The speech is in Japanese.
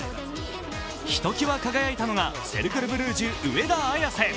ひときわ輝いたのがセルクル・ブリュージュ上田綺世。